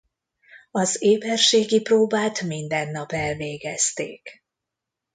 Az éberségi próbát minden nap elvégezték.